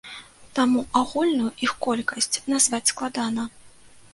Таму агульную іх колькасць назваць складана.